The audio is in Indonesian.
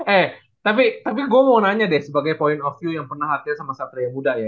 eh tapi gue mau nanya deh sebagai point of view yang pernah latihan sama satria muda ya